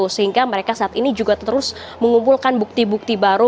sehingga mereka saat ini juga terus mengumpulkan bukti bukti baru